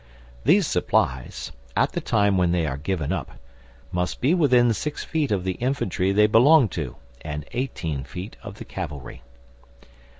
These supplies, at the time when they are given up, must be within six feet of the infantry they belong to and eighteen feet of the cavalry.